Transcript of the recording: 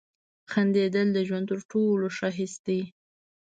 • خندېدل د ژوند تر ټولو ښه حس دی.